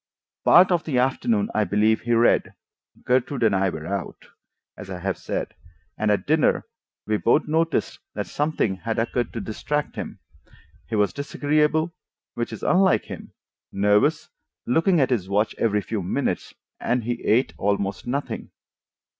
Part of the afternoon I believe he read—Gertrude and I were out, as I have said, and at dinner we both noticed that something had occurred to distract him. He was disagreeable, which is unlike him, nervous, looking at his watch every few minutes, and he ate almost nothing.